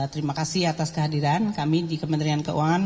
terima kasih atas kehadiran kami di kementerian keuangan